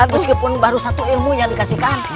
meskipun baru satu ilmu yang dikasihkan